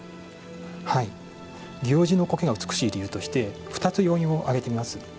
祇王寺の苔が美しい理由として２つ要因を挙げてみます。